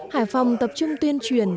hải phòng tập trung tuyên truyền